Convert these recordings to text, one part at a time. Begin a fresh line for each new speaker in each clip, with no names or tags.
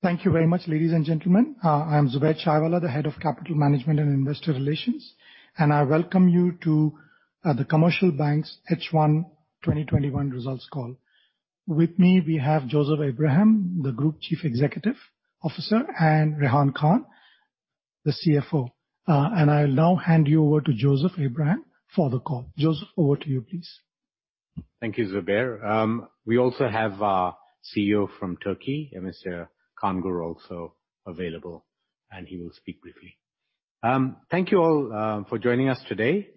Thank you very much, ladies and gentlemen. I am Zubair Chaiwala, the Head of Capital Management and Investor Relations, and I welcome you to The Commercial Bank's H1 2021 results call. With me, we have Joseph Abraham, the Group Chief Executive Officer, and Rehan Khan, the CFO. I'll now hand you over to Joseph Abraham for the call. Joseph, over to you, please.
Thank you, Zubair. We also have our CEO from Turkey, Mr. Kaan Gur, also available, he will speak briefly. Thank you all for joining us today.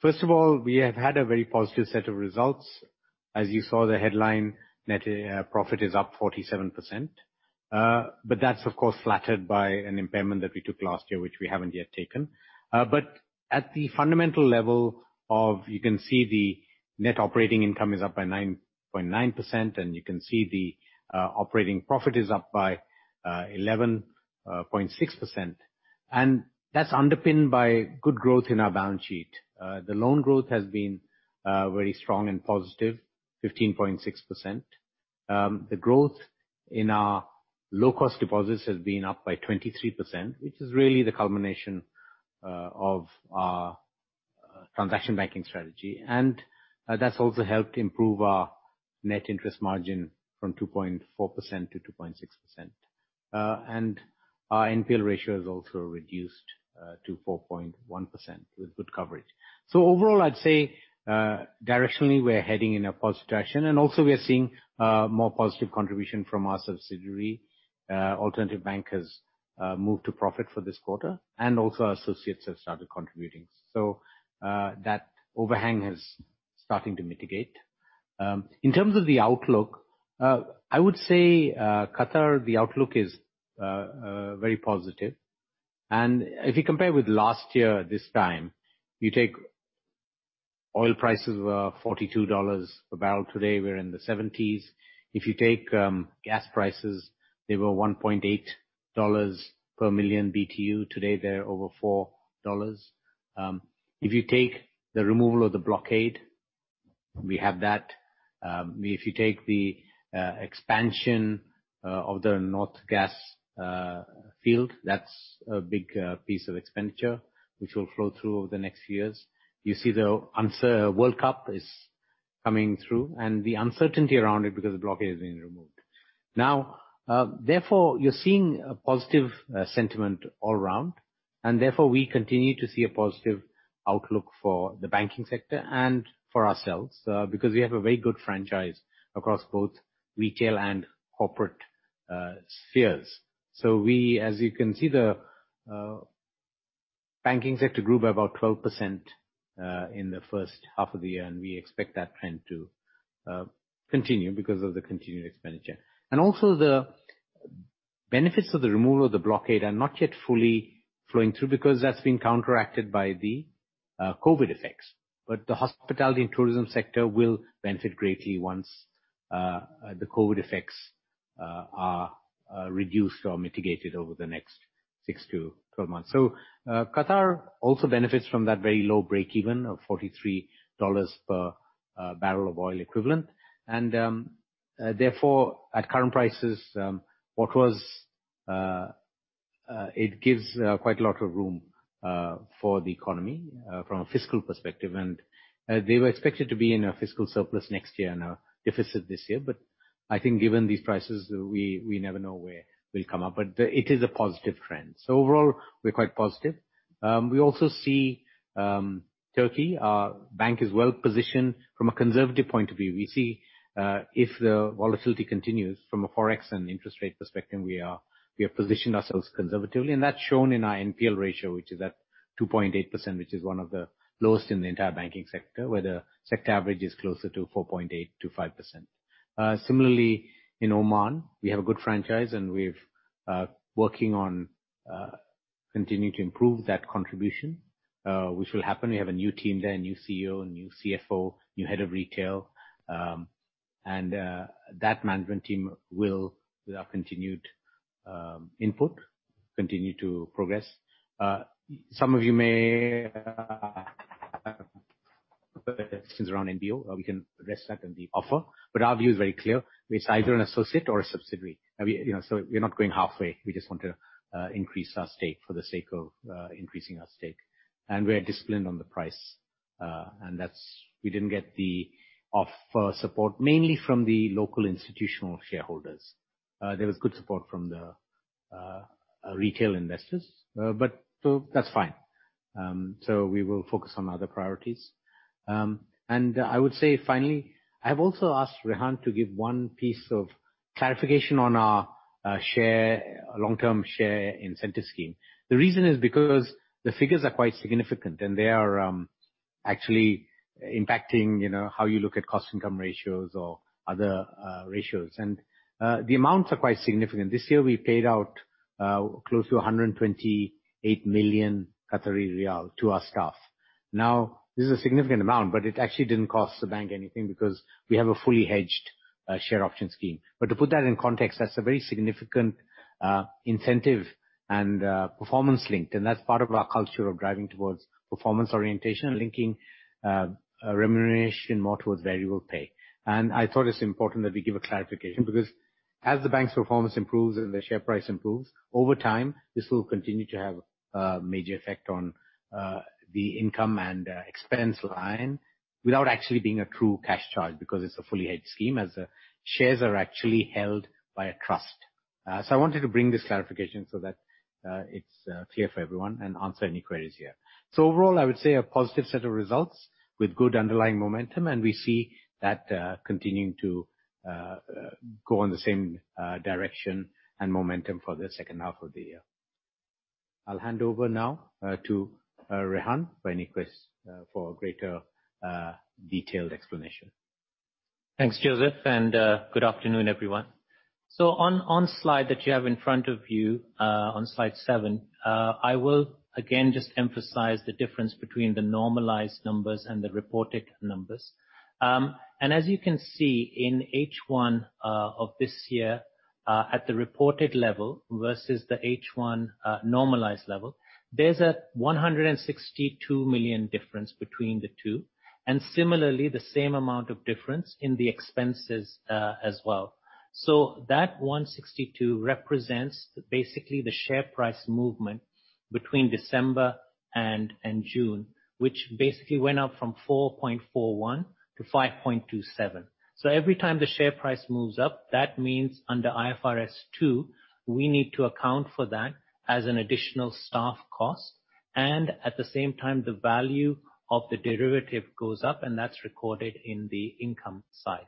First of all, we have had a very positive set of results. As you saw, the headline net profit is up 47%, that's of course flattered by an impairment that we took last year, which we haven't yet taken. At the fundamental level, you can see the net operating income is up by 9.9%, you can see the operating profit is up by 11.6%, and that's underpinned by good growth in our balance sheet. The loan growth has been very strong and positive, 15.6%. The growth in our low-cost deposits has been up by 23%, which is really the culmination of our transaction banking strategy. That's also helped improve our net interest margin from 2.4%-2.6%. Our NPL ratio has also reduced to 4.1% with good coverage. Overall, I'd say directionally we're heading in a positive direction, and also we are seeing more positive contribution from our subsidiary. Alternatif Bank has moved to profit for this quarter, our associates have started contributing. That overhang is starting to mitigate. In terms of the outlook, I would say, Qatar, the outlook is very positive and if you compare with last year this time, you take oil prices were $42 a barrel. Today, we're in the $70s. If you take gas prices, they were $1.8 per million BTU. Today, they're over $4. If you take the removal of the blockade, we have that. If you take the expansion of the North Field, that's a big piece of expenditure which will flow through over the next years. You see the World Cup is coming through and the uncertainty around it because the blockade is being removed. Therefore, you're seeing a positive sentiment all around, we continue to see a positive outlook for the banking sector and for ourselves, because we have a very good franchise across both retail and corporate spheres. As you can see, the banking sector grew by about 12% in the first half of the year, and we expect that trend to continue because of the continued expenditure. Also, the benefits of the removal of the blockade are not yet fully flowing through because that's been counteracted by the COVID effects. The hospitality and tourism sector will benefit greatly once the COVID effects are reduced or mitigated over the next 6-12 months. Qatar also benefits from that very low breakeven of $43 per barrel of oil equivalent, and therefore, at current prices, it gives quite a lot of room for the economy from a fiscal perspective. They were expected to be in a fiscal surplus next year and a deficit this year. I think given these prices, we never know where we'll come up, but it is a positive trend. Overall, we're quite positive. We also see Turkey, our bank is well-positioned from a conservative point of view. We see if the volatility continues from a Forex and interest rate perspective, we have positioned ourselves conservatively, and that's shown in our NPL ratio, which is at 2.8%, which is one of the lowest in the entire banking sector, where the sector average is closer to 4.8%-5%. Similarly, in Oman, we have a good franchise and we're working on continuing to improve that contribution which will happen. We have a new team there, a new CEO, a new CFO, new head of retail. That management team will, with our continued input, continue to progress. Some of you may around NBO. We can address that in the offer. Our view is very clear. It's either an associate or a subsidiary. We are not going halfway. We just want to increase our stake for the sake of increasing our stake. We are disciplined on the price. We didn't get the offer support, mainly from the local institutional shareholders. There was good support from the retail investors. That's fine. We will focus on other priorities. I would say finally, I have also asked Rehan to give one piece of clarification on our long-term share incentive scheme. The reason is because the figures are quite significant, and they are actually impacting how you look at cost income ratios or other ratios. The amounts are quite significant. This year, we paid out close to 128 million Qatari riyal to our staff. This is a significant amount, but it actually didn't cost the bank anything because we have a fully hedged share option scheme. To put that in context, that's a very significant incentive and performance linked, and that's part of our culture of driving towards performance orientation and linking remuneration more towards variable pay. I thought it's important that we give a clarification, because as the bank's performance improves and the share price improves, over time, this will continue to have a major effect on the income and expense line without actually being a true cash charge, because it's a fully hedged scheme as shares are actually held by a trust. I wanted to bring this clarification so that it's clear for everyone and answer any queries here. Overall, I would say a positive set of results with good underlying momentum, and we see that continuing to go in the same direction and momentum for the second half of the year. I'll hand over now to Rehan for any queries for a greater detailed explanation.
Thanks, Joseph, on slide that you have in front of you, on slide seven, I will again just emphasize the difference between the normalized numbers and the reported numbers. As you can see in H1 of this year, at the reported level versus the H1 normalized level, there is a 162 million difference between the two and similarly, the same amount of difference in the expenses as well. That 162 million represents basically the share price movement between December and June, which basically went up from 4.41 to 5.27. Every time the share price moves up, that means under IFRS 2, we need to account for that as an additional staff cost. At the same time, the value of the derivative goes up, and that is recorded in the income side.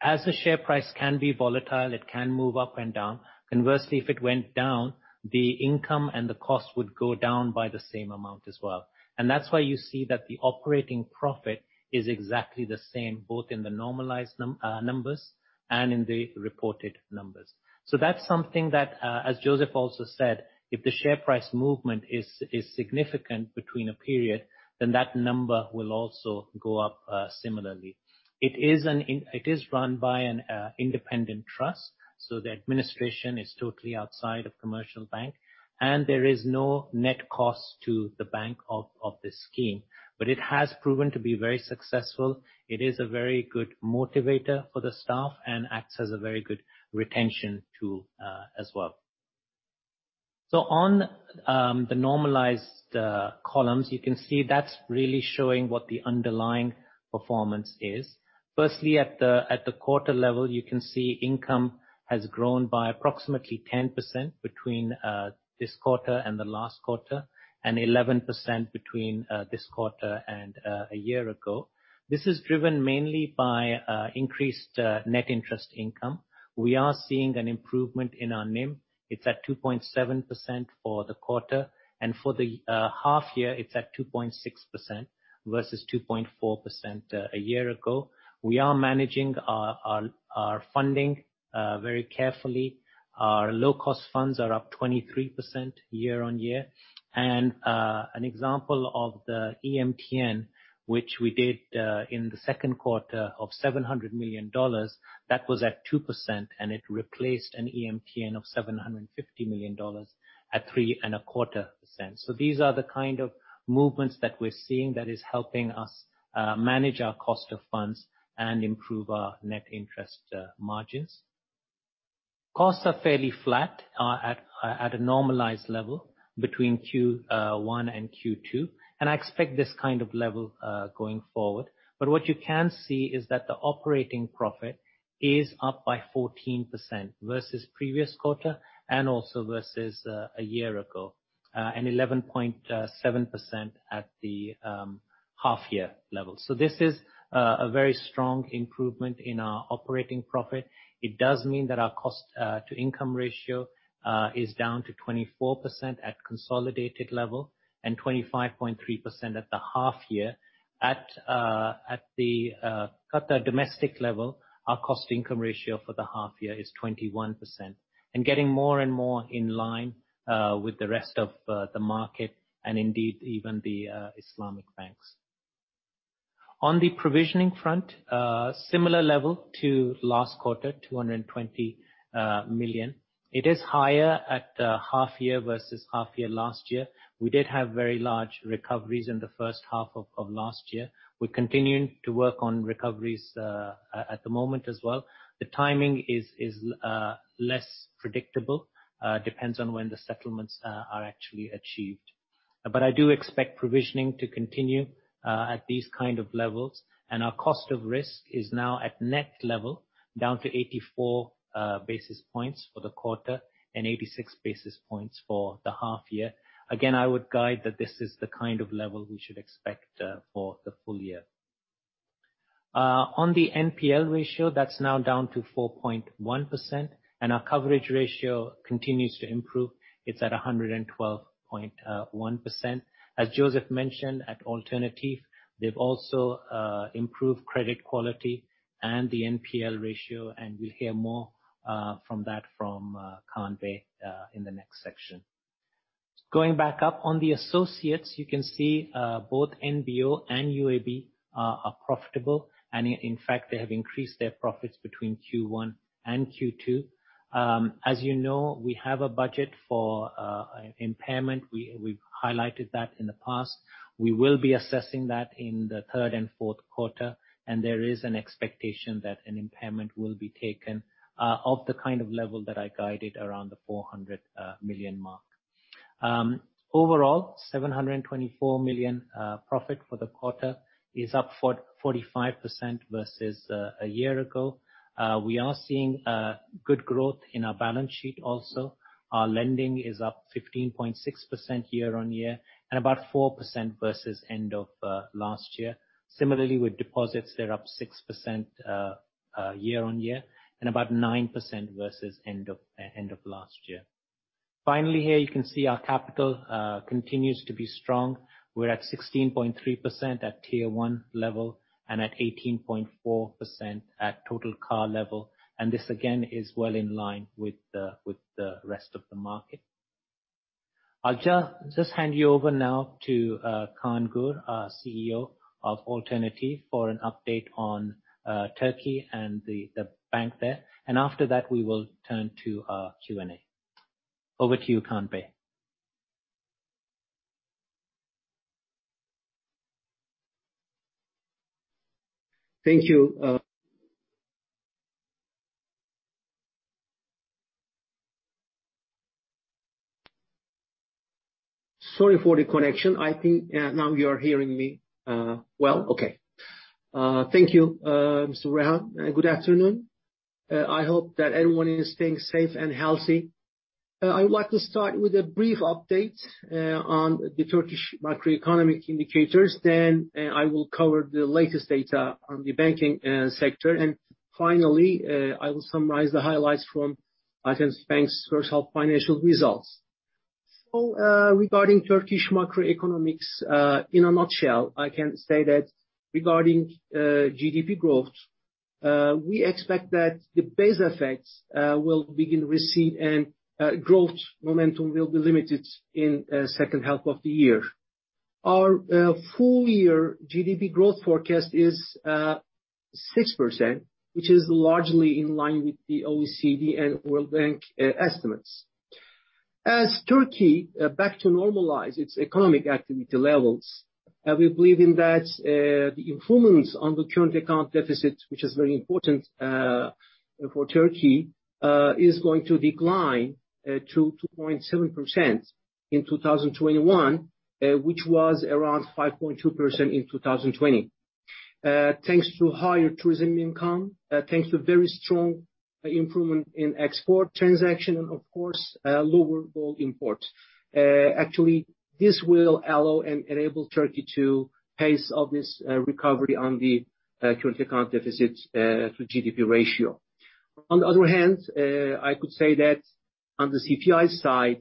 As a share price can be volatile, it can move up and down. Conversely, if it went down, the income and the cost would go down by the same amount as well. That is why you see that the operating profit is exactly the same, both in the normalized numbers and in the reported numbers. That is something that, as Joseph also said, if the share price movement is significant between a period, then that number will also go up similarly. It is run by an independent trust, so the administration is totally outside of Commercial Bank, and there is no net cost to the bank of this scheme. It has proven to be very successful. It is a very good motivator for the staff and acts as a very good retention tool as well. On the normalized columns, you can see that is really showing what the underlying performance is. Firstly, at the quarter level, you can see income has grown by approximately 10% between this quarter and the last quarter, and 11% between this quarter and a year ago. This is driven mainly by increased net interest income. We are seeing an improvement in our NIM. It is at 2.7% for the quarter and for the half year it is at 2.6% versus 2.4% a year ago. We are managing our funding very carefully. Our low-cost funds are up 23% year-on-year. An example of the EMTN, which we did in the second quarter of $700 million, that was at 2% and it replaced an EMTN of $750 million at 3.25%. These are the kind of movements that we are seeing that is helping us manage our cost of funds and improve our net interest margins. Costs are fairly flat at a normalized level between Q1 and Q2, and I expect this kind of level going forward. What you can see is that the operating profit is up by 14% versus the previous quarter and also versus a year ago, and 11.7% at the half year level. This is a very strong improvement in our operating profit. It does mean that our cost to income ratio is down to 24% at consolidated level and 25.3% at the half year. At the Qatar domestic level, our cost income ratio for the half year is 21% and getting more and more in line with the rest of the market and indeed even the Islamic banks. On the provisioning front, similar level to last quarter, 220 million. It is higher at half year versus half year last year. We did have very large recoveries in the first half of last year. We are continuing to work on recoveries at the moment as well. The timing is less predictable. Depends on when the settlements are actually achieved. But I do expect provisioning to continue at these kind of levels, and our cost of risk is now at net level, down to 84 basis points for the quarter and 86 basis points for the half year. Again, I would guide that this is the kind of level we should expect for the full year. On the NPL ratio, that is now down to 4.1% and our coverage ratio continues to improve. It is at 112.1%. As Joseph mentioned at Alternatif, they have also improved credit quality and the NPL ratio, and we will hear more from that from Conway in the next section. Going back up on the associates, you can see both NBO and UAB are profitable. In fact, they have increased their profits between Q1 and Q2. As you know, we have a budget for impairment. We have highlighted that in the past. We will be assessing that in the third and fourth quarter, and there is an expectation that an impairment will be taken of the kind of level that I guided around the 400 million mark. Overall, 724 million profit for the quarter is up 45% versus a year ago. We are seeing good growth in our balance sheet also. Our lending is up 15.6% year-on-year, and about 4% versus end of last year. Similarly, with deposits, they are up 6% year-on-year and about 9% versus end of last year. Finally, here you can see our capital continues to be strong. We are at 16.3% at Tier 1 level and at 18.4% at Total CAR level. This, again, is well in line with the rest of the market. I will just hand you over now to Kaan Gur, our CEO of Alternatif, for an update on Turkey and the bank there. After that, we will turn to Q&A. Over to you, Kaan.
Thank you. Sorry for the connection. I think now you are hearing me well. Okay. Thank you, Mr. Rehan. Good afternoon. I hope that everyone is staying safe and healthy. I would like to start with a brief update on the Turkish macroeconomic indicators. Then, I will cover the latest data on the banking sector. Finally, I will summarize the highlights from Alternatif Bank's first half financial results. Regarding Turkish macroeconomics, in a nutshell, I can say that regarding GDP growth, we expect that the base effects will begin to recede, and growth momentum will be limited in second half of the year. Our full year GDP growth forecast is 6%, which is largely in line with the OECD and World Bank estimates. As Turkey back to normalize its economic activity levels, we believe in that the improvements on the current account deficit, which is very important for Turkey, is going to decline to 2.7% in 2021, which was around 5.2% in 2020. Thanks to higher tourism income, thanks to very strong improvement in export transaction and of course, lower oil import. Actually, this will allow and enable Turkey to pace up this recovery on the current account deficit through GDP ratio. On the other hand, I could say that on the CPI side,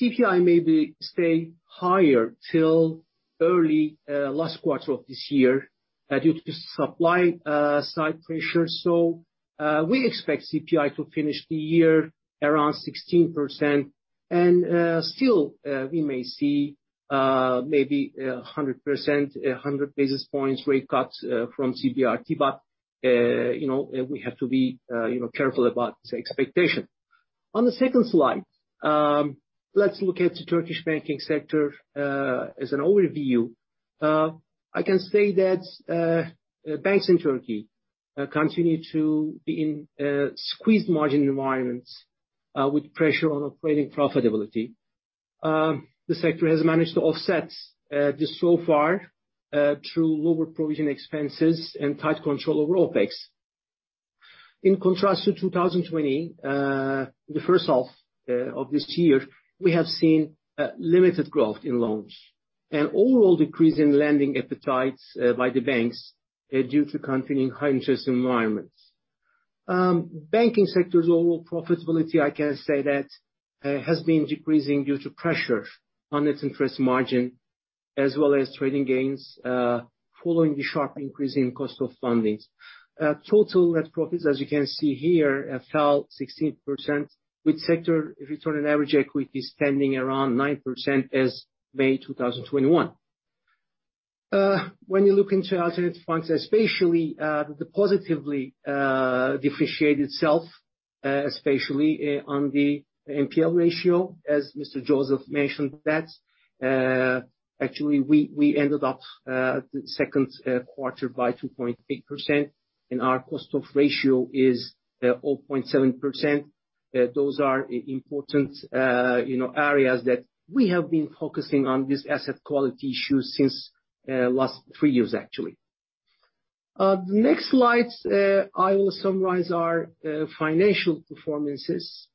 CPI may stay higher till early last quarter of this year due to supply side pressure. We expect CPI to finish the year around 16% and still we may see maybe 100%, 100 basis points rate cut from CBRT but we have to be careful about this expectation. On the second slide, let's look at the Turkish banking sector as an overview. I can say that banks in Turkey continue to be in squeezed margin environments with pressure on operating profitability. The sector has managed to offset this so far through lower provision expenses and tight control over OpEx. In contrast to 2020, the first half of this year, we have seen limited growth in loans and overall decrease in lending appetites by the banks due to continuing high interest environments. Banking sector's overall profitability, I can say that has been decreasing due to pressure on its interest margin as well as trading gains following the sharp increase in cost of funding. Total net profits, as you can see here, fell 16%, with sector return on average equity standing around 9% as May 2021. When you look into Alternatif Bank especially, the positively differentiate itself, especially on the NPL ratio, as Mr. Joseph mentioned that. Actually, we ended up the second quarter by 2.8%, and our cost of risk ratio is 0.7%. Those are important areas that we have been focusing on this asset quality issue since last three years, actually. The next slide, I will summarize our financial performances.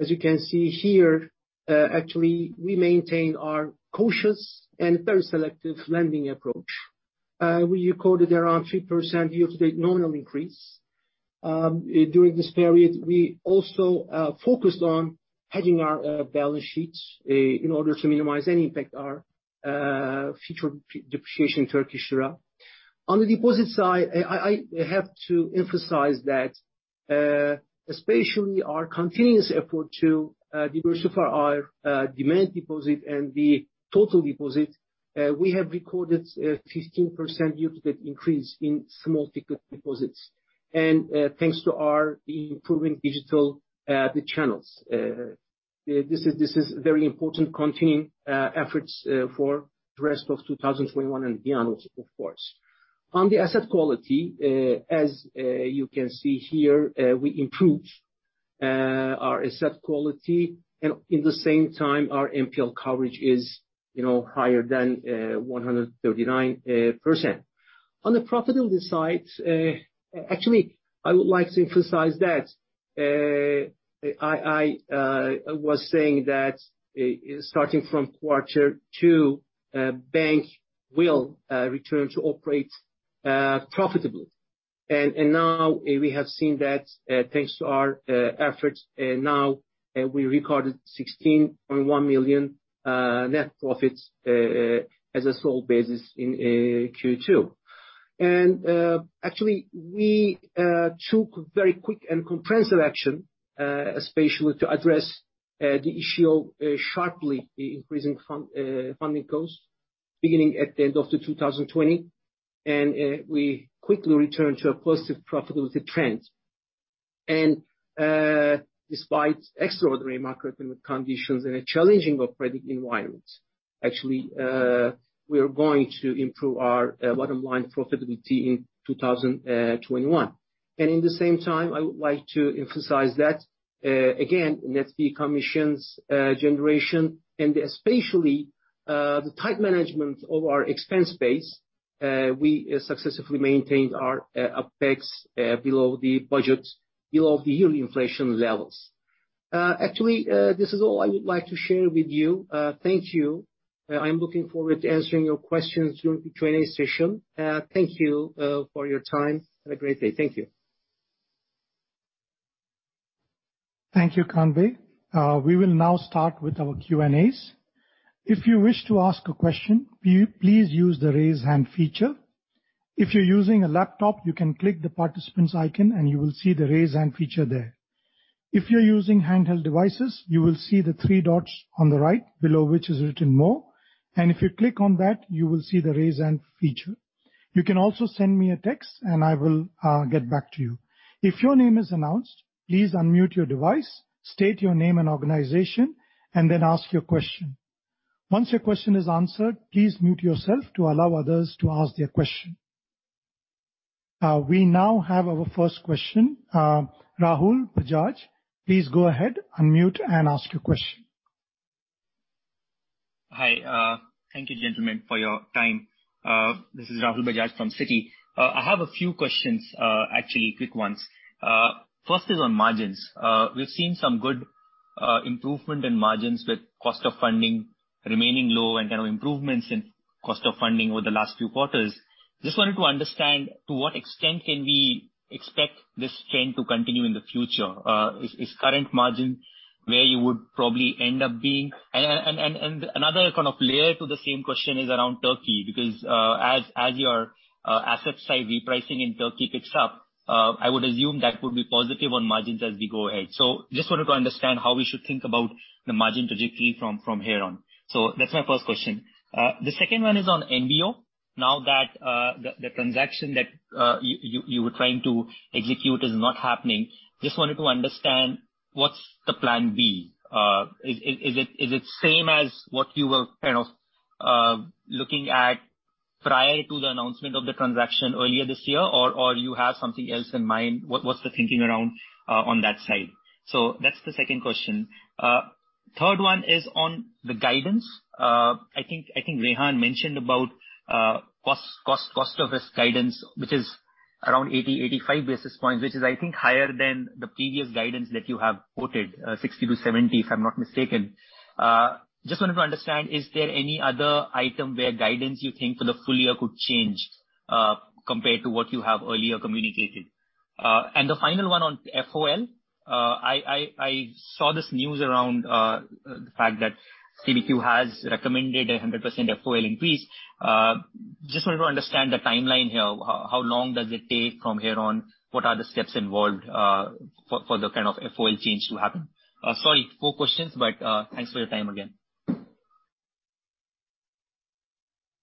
As you can see here, actually, we maintain our cautious and very selective lending approach. We recorded around 3% year over date nominal increase. During this period, we also focused on hedging our balance sheets in order to minimize any impact our future depreciation in Turkish lira. On the deposit side, I have to emphasize that especially our continuous effort to diversify our demand deposit and the total deposit. We have recorded a 15% year to date increase in small deposits. Thanks to our improving digital channels. This is very important continuing efforts for the rest of 2021 and beyond, of course. On the asset quality, as you can see here, we improved our asset quality and in the same time, our NPL coverage is higher than 139%. On the profitability side, actually, I would like to emphasize that I was saying that starting from quarter two, bank will return to operate profitably. Now we have seen that, thanks to our efforts, now we recorded 16.1 million net profits as a sole basis in Q2. Actually, we took very quick and comprehensive action, especially to address the issue of sharply increasing funding costs beginning at the end of the 2020. We quickly returned to a positive profitability trend. Despite extraordinary market and conditions in a challenging operating environment, actually, we are going to improve our bottom line profitability in 2021. In the same time, I'm looking forward to answering your questions during the Q&A session. I would like to emphasize that, again, net fee commissions generation and especially, the tight management of our expense base, we successfully maintained our OpEx below the budget, below the yearly inflation levels. Actually, this is all I would like to share with you. Thank you. Thank you for your time. Have a great day. Thank you.
Thank you, Kaan Gur. We will now start with our Q&As. If you wish to ask a question, please use the raise hand feature. If you're using a laptop, you can click the participants icon and you will see the raise hand feature there. If you're using handheld devices, you will see the three dots on the right, below which is written more. If you click on that, you will see the raise hand feature. You can also send me a text and I will get back to you. If your name is announced, please unmute your device, state your name and organization, and then ask your question. Once your question is answered, please mute yourself to allow others to ask their question. We now have our first question. Rahul Bajaj, please go ahead, unmute and ask your question.
Hi. Thank you gentlemen for your time. This is Rahul Bajaj from Citi. I have a few questions, actually quick ones. First is on margins. We've seen some good improvement in margins with cost of funding remaining low and kind of improvements in cost of funding over the last few quarters. Just wanted to understand to what extent can we expect this trend to continue in the future. Is current margin where you would probably end up being? Another kind of layer to the same question is around Turkey, because as your asset side repricing in Turkey picks up, I would assume that would be positive on margins as we go ahead. Just wanted to understand how we should think about the margin trajectory from here on. That's my first question. The second one is on NBO. Now that the transaction that you were trying to execute is not happening, just wanted to understand what's the plan B. Is it same as what you were kind of looking at prior to the announcement of the transaction earlier this year or you have something else in mind? What's the thinking around on that side? That's the second question. Third one is on the guidance. I think Rehan mentioned about cost of risk guidance, which is around 80, 85 basis points, which is, I think, higher than the previous guidance that you have quoted, 60 to 70, if I'm not mistaken. Just wanted to understand, is there any other item where guidance you think for the full year could change, compared to what you have earlier communicated? The final one on FOL. I saw this news around the fact that CBQ has recommended 100% FOL increase. Just wanted to understand the timeline here. How long does it take from here on? What are the steps involved, for the kind of FOL change to happen? Sorry, four questions, thanks for your time again.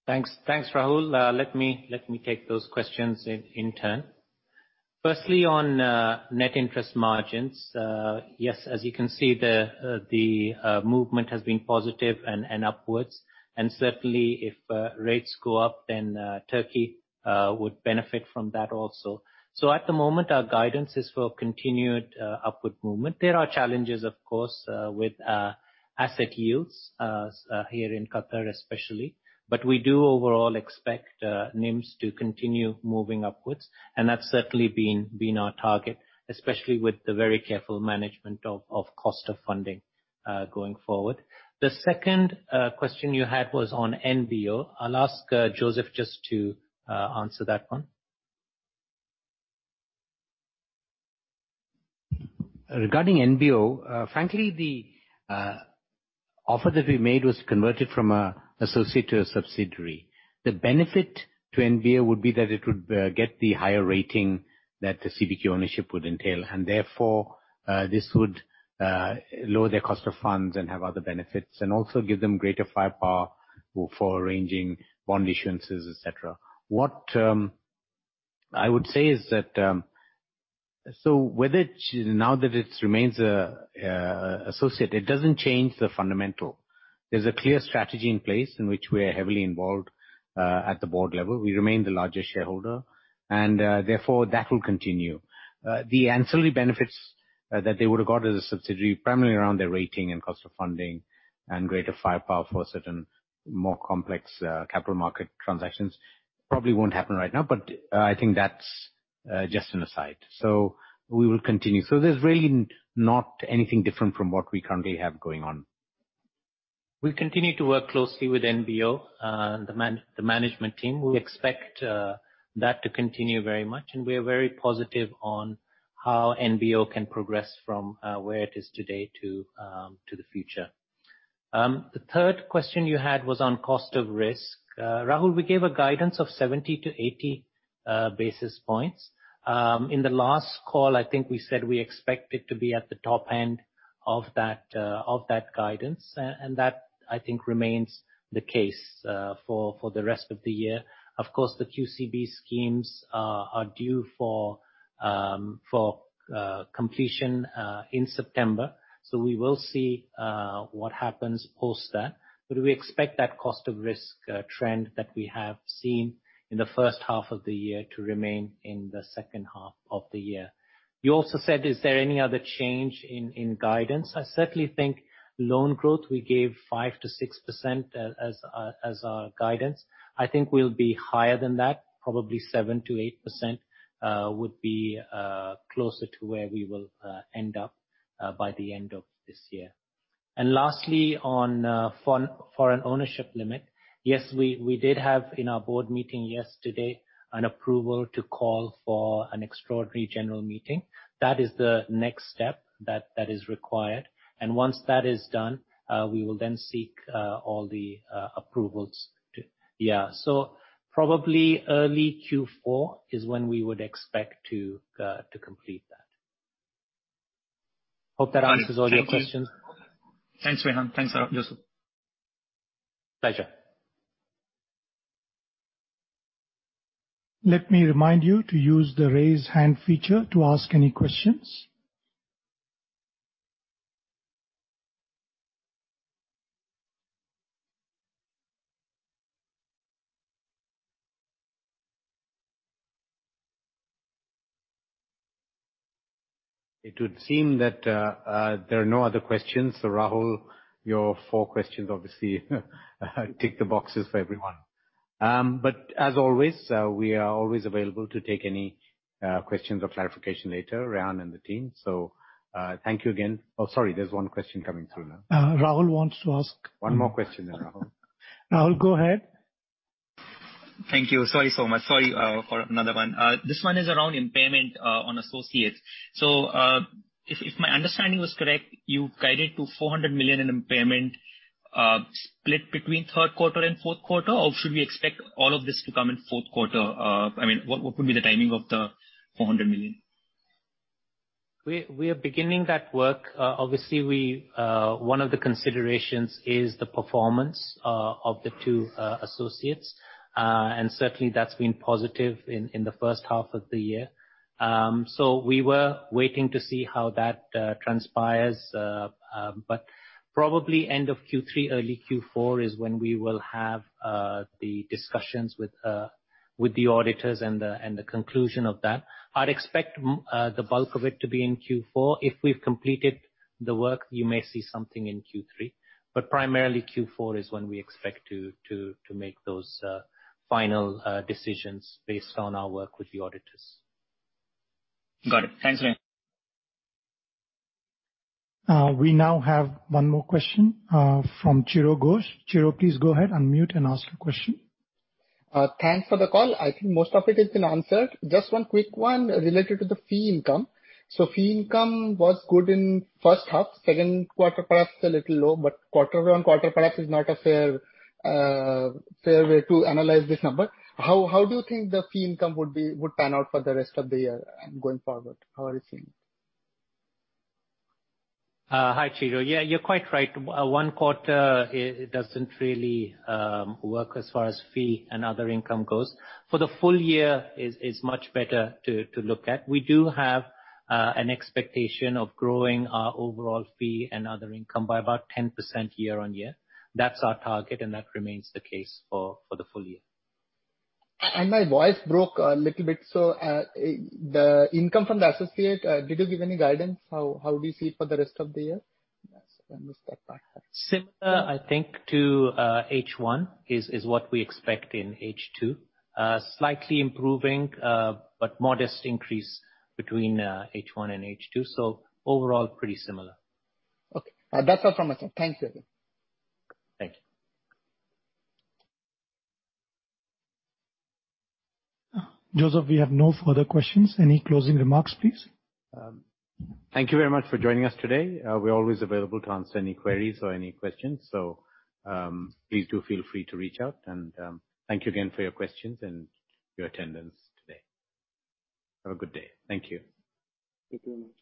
Thanks, Rahul. Let me take those questions in turn. Firstly, on net interest margins. Yes, as you can see, the movement has been positive and upwards. Certainly, if rates go up, then Turkey would benefit from that also. At the moment, our guidance is for continued upward movement. There are challenges, of course, with asset yields here in Qatar especially. We do overall expect NIMs to continue moving upwards, and that's certainly been our target, especially with the very careful management of cost of funding going forward. The second question you had was on NBO. I'll ask Joseph just to answer that one.
Regarding NBO, frankly, the offer that we made was converted from associate to a subsidiary. The benefit to NBO would be that it would get the higher rating that the CBQ ownership would entail. Therefore, this would lower their cost of funds and have other benefits, also give them greater firepower for arranging bond issuances, et cetera. What I would say is that, now that it remains associate, it doesn't change the fundamental. There's a clear strategy in place in which we're heavily involved, at the board level. We remain the largest shareholder. Therefore, that will continue. The ancillary benefits that they would have got as a subsidiary, primarily around their rating and cost of funding and greater firepower for certain more complex capital market transactions, probably won't happen right now, I think that's just an aside. We will continue. There's really not anything different from what we currently have going on.
We continue to work closely with NBO, the management team. We expect that to continue very much, and we are very positive on how NBO can progress from where it is today to the future. The third question you had was on cost of risk. Rahul, we gave a guidance of 70 to 80 basis points. In the last call, I think we said we expect it to be at the top end of that guidance, and that, I think, remains the case for the rest of the year. Of course, the QCB schemes are due for completion in September. We will see what happens post that. We expect that cost of risk trend that we have seen in the first half of the year to remain in the second half of the year. You also said, is there any other change in guidance? I certainly think loan growth, we gave 5% to 6% as our guidance. I think we'll be higher than that, probably 7% to 8% would be closer to where we will end up by the end of this year. Lastly, on foreign ownership limit. Yes, we did have in our board meeting yesterday an approval to call for an extraordinary general meeting. That is the next step that is required. Once that is done, we will then seek all the approvals to. Probably early Q4 is when we would expect to complete that. Hope that answers all your questions.
Thank you. Thanks, Rehan. Thanks, Joseph.
Pleasure.
Let me remind you to use the raise hand feature to ask any questions.
It would seem that there are no other questions. Rahul, your four questions obviously tick the boxes for everyone. As always, we are always available to take any questions or clarification later, Rehan and the team. Thank you again. Oh, sorry, there's one question coming through now.
Rahul wants to ask-
One more question, Rahul.
Rahul, go ahead.
Thank you. Sorry so much. Sorry for another one. This one is around impairment on associates. If my understanding was correct, you guided to 400 million in impairment, split between third quarter and fourth quarter, or should we expect all of this to come in fourth quarter? What would be the timing of the 400 million?
We are beginning that work. Obviously, one of the considerations is the performance of the two associates. Certainly, that's been positive in the first half of the year. We were waiting to see how that transpires. Probably end of Q3, early Q4 is when we will have the discussions with the auditors and the conclusion of that. I'd expect the bulk of it to be in Q4. If we've completed the work, you may see something in Q3. Primarily Q4 is when we expect to make those final decisions based on our work with the auditors.
Got it. Thanks, Rehan.
We now have one more question from Chiradeep Ghosh. Chiro, please go ahead, unmute and ask your question.
Thanks for the call. I think most of it has been answered. Just one quick one related to the fee income. Fee income was good in first half, second quarter perhaps a little low, but quarter-on-quarter perhaps is not a fair way to analyze this number. How do you think the fee income would pan out for the rest of the year and going forward? How are you seeing it?
Hi, Chiro. You're quite right. one quarter doesn't really work as far as fee and other income goes. For the full year is much better to look at. We do have an expectation of growing our overall fee and other income by about 10% year-on-year. That's our target, and that remains the case for the full year.
My voice broke a little bit. The income from the associate, did you give any guidance? How do you see for the rest of the year? Let me step back.
Similar, I think to H1 is what we expect in H2. Slightly improving, but modest increase between H1 and H2. Overall, pretty similar.
Okay. That's all from my side. Thanks, everyone.
Thank you.
Joseph, we have no further questions. Any closing remarks, please?
Thank you very much for joining us today. We're always available to answer any queries or any questions. Please do feel free to reach out. Thank you again for your questions and your attendance today. Have a good day. Thank you.
Thank you very much.